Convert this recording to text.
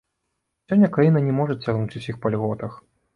Сёння краіна не можа цягнуць усіх па льготах.